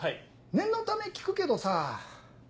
念のため聞くけどさ。